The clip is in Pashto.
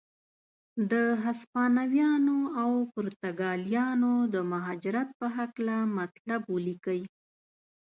د هسپانویانو او پرتګالیانو د مهاجرت په هکله مطلب ولیکئ.